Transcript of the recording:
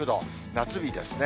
夏日ですね。